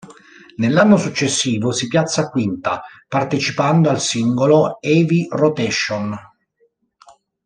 Nell'anno successivo si piazza quinta, partecipando al singolo "Heavy Rotation".